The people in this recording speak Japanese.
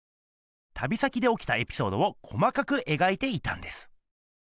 旅先で起きたエピソードを細かくえがいていたんです。